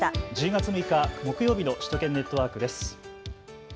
１０月６日、木曜日の首都圏ネットワークです。